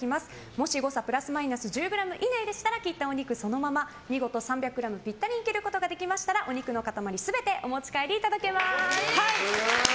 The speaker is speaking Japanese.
もし誤差プラスマイナス１０ｇいないであれば切ったお肉をそのまま見事３００ｇピッタリに切ることができましたらお肉の塊全てお持ち帰りいただけます。